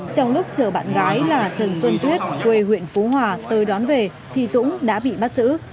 trong lúc chờ bạn gái là trần xuân tuyết quê huyện phú hòa tới đón về thì dũng đã bị bắt giữ